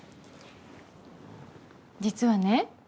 実はね